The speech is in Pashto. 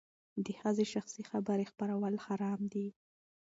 د ښځې شخصي خبرې خپرول حرام دي.